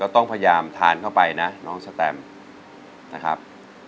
ต้องพยายามทานเข้าไปนะน้องสแตมนะครับ